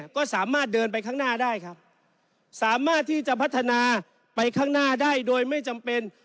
ก็สามารถเดินไปข้างหน้าได้ครับสามารถที่จะพัฒนาไปข้างหน้าได้โดยไม่จำเป็น